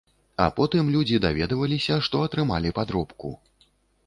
А потым людзі даведваліся, што атрымалі падробку.